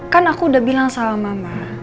kan aku udah bilang sama mama